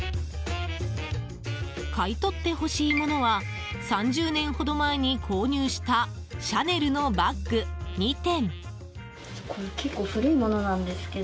買い取ってほしいものは３０年ほど前に購入したシャネルのバッグ２点。